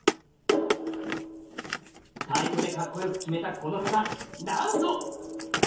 太鼓でカッコよくキメたこの方なんと！